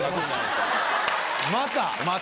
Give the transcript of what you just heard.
また？